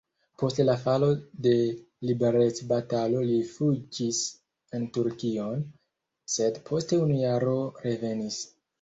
Post la falo de liberecbatalo li rifuĝis en Turkion, sed post unu jaro revenis.